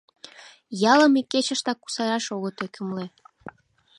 Ялым ик кечыштак кусараш огыт ӧкымлӧ.